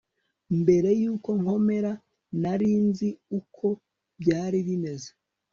mbere yuko nkomera, nari nzi uko byari bimeze